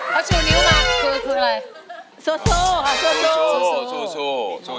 เขาชูนิ้วมั้ยคืออะไรสู้